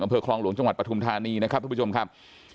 ดำเผิกคลองหลวงจร์ประถุมธานีนะครับทุกผู้ชมครับ